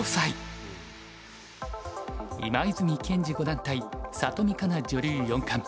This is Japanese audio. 今泉健司五段対里見香奈女流四冠。